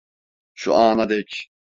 Şu ana dek.